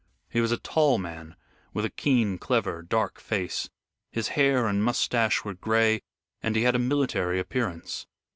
He was a tall man with a keen, clever, dark face. His hair and mustache were gray and he had a military appearance.